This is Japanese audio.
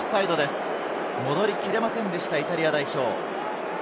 戻りきれませんでした、イタリア代表。